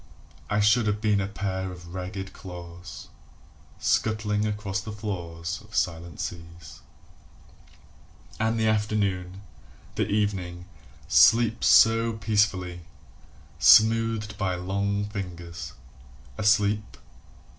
... I should have been a pair of ragged claws Scuttling across the floors of silent seas. ..... And the afternoon, the evening, sleeps so peacefully! Smoothed by long fingers, Asleep